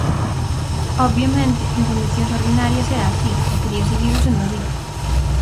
Obviamente, en condicións ordinarias era así, e tería seguido sendo así.